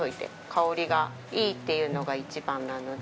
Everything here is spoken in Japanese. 香りがいいっていうのが一番なので。